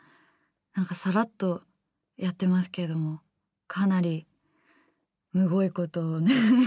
なんかさらっとやってますけれどもかなりむごい事を。